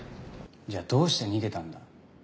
じゃあどうして逃げたんだ？